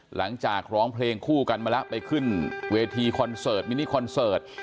หลังจากร้องเพลงคู่กันมาแล้วไปขึ้นเวทีคอนเสิร์ตมินิคอนเสิร์ต